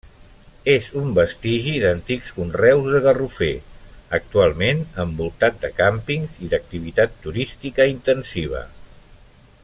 És un vestigi d'antics conreus de garrofer, actualment envoltat de càmpings i d'activitat turística intensiva.